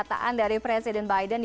pernyataan dari presiden biden